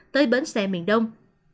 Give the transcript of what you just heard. tới bến xe miền đông